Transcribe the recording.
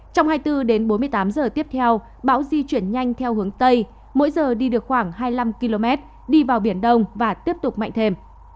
trong hai mươi bốn đến bốn mươi tám giờ tiếp theo bão di chuyển nhanh theo hướng tây mỗi giờ đi được khoảng hai mươi năm km đi vào biển đông và tiếp tục mạnh thêm